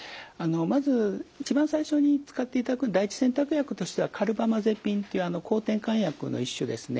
まず一番最初に使っていただく第１選択薬としてはカルバマゼピンっていう抗てんかん薬の一種ですね。